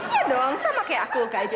iya dong sama kayak aku kajiban alam